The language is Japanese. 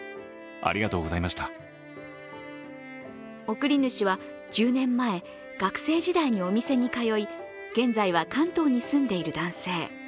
送り主は１０年前、学生時代にお店に通い、現在は関東に住んでいる男性。